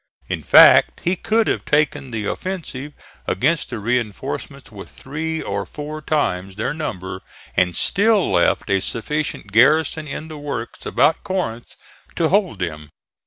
In fact he could have taken the offensive against the reinforcements with three or four times their number and still left a sufficient garrison in the works about Corinth to hold them.